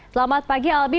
selamat pagi albi